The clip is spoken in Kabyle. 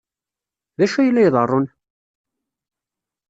D acu ay la iḍerrun?